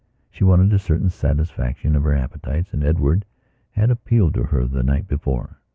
She wanted a certain satisfaction of her appetites and Edward had appealed to her the night before.